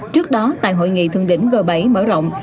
trước đó tại hội nghị thượng đỉnh g bảy mở rộng